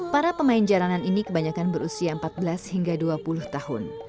para pemain jalanan ini kebanyakan berusia empat belas hingga dua puluh tahun